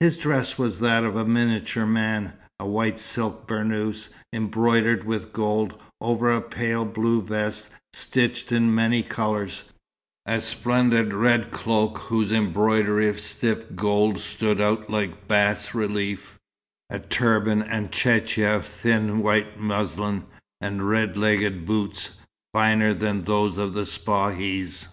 His dress was that of a miniature man; a white silk burnous, embroidered with gold, over a pale blue vest, stitched in many colours; a splendid red cloak, whose embroidery of stiff gold stood out like a bas relief; a turban and chechia of thin white muslin; and red legged boots finer than those of the Spahis.